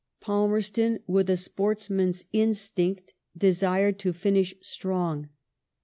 Palmerston with a sportsman's instinct, would have liked to finish strong.